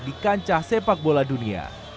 di kancah sepak bola dunia